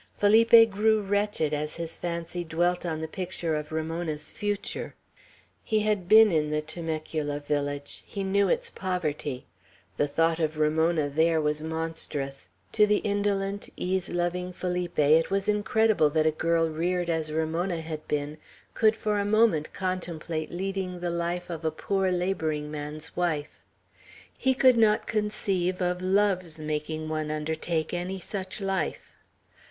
Felipe grew wretched as his fancy dwelt on the picture of Ramona's future. He had been in the Temecula village. He knew its poverty; the thought of Ramona there was monstrous, To the indolent, ease loving Felipe it was incredible that a girl reared as Ramona had been, could for a moment contemplate leading the life of a poor laboring man's wife. He could not conceive of love's making one undertake any such life.